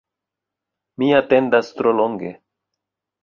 Mi atendas tro longe